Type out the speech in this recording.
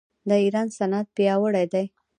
د ایران صنعت پیاوړی دی.